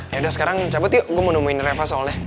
ya udah sekarang cabut yuk gue mau nemuin reva soalnya